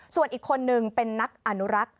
ส่วนอีกคนนึงเป็นนักอนุรักษ์